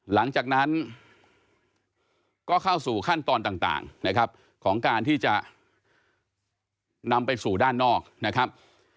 หลังจากนั้นก็เข้าสู่ขั้นตอนต่างนะครับของการที่จะนำไปสู่ด้านนอกนะครับ